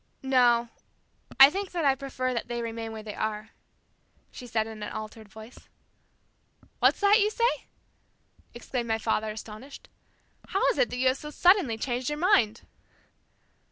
"No, I think that I prefer that they remain where they are," she said in an altered voice. "What's that you say?" exclaimed my father, astonished. "How is it that you have so suddenly changed your mind?"